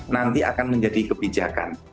nanti akan menjadi kebijakan